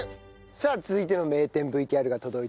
さあ続いての名店ＶＴＲが届いております。